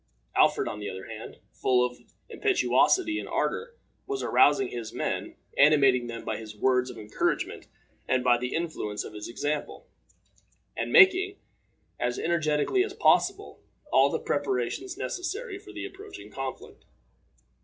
Alfred, on the other hand, full of impetuosity and ardor, was arousing his men, animating them by his words of encouragement and by the influence of his example, and making, as energetically as possible, all the preparations necessary for the approaching conflict.